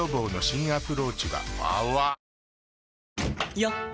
よっ！